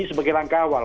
sebagai langkah awal